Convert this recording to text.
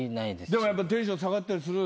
でもやっぱテンション下がったりする？